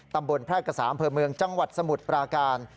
ตำบลแพร่กระสามเผยเมืองจังหวัดสมุทรปราการ